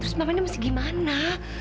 terus mamanya masih bagaimana